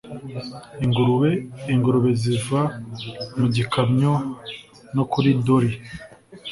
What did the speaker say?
ingurube ingurube ziva mu gikamyo no kuri dolly